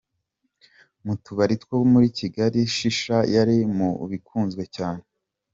Mu tubari two muri Kigali , Shisha yari mu bikunzwe cyane.